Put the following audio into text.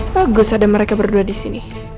bagus ada mereka berdua di sini